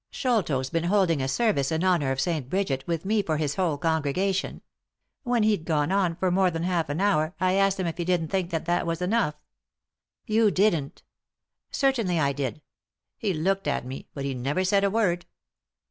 Sholto's been holding a service in honour of St. Brigit, with me for his whole congregation. When he'd gone on for more than half an hour I asked him if he didn't think that that was enough." "You didn't 1" " Certainly I did. He looked at me ; but he never said a word."